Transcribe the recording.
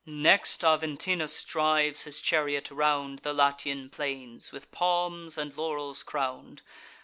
Next Aventinus drives his chariot round The Latian plains, with palms and laurels crown'd.